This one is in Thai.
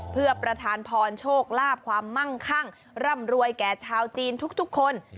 เพื่อประทานพรโชคลาภความมั่งคั่งร่ำรวยแก่ชาวจีนทุกคน